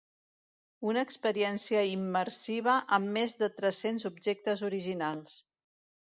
Una experiència immersiva amb més de tres-cents objectes originals.